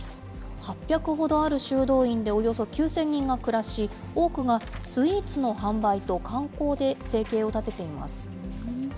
８００ほどある修道院でおよそ９０００人が暮らし、多くがスイーツの販売と観光で生計を立てています。